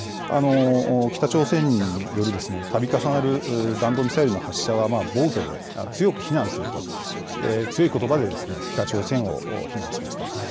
北朝鮮によるたび重なる弾道ミサイルの発射は暴挙で、強く非難すると強いことばで北朝鮮を非難しました。